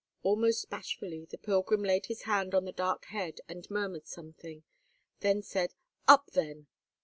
Almost bashfully the pilgrim laid his hand on the dark head, and murmured something; then said, "Up, then!